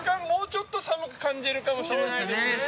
もうちょっと寒く感じるかもしれませんね。